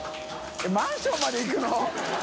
えっマンションまで行くの？